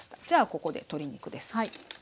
じゃここで鶏肉です。